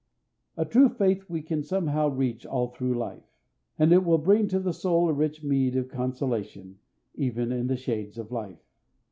A true faith we can somehow reach all through life, and it will bring to the soul a rich meed of consolation, even in the shades of life.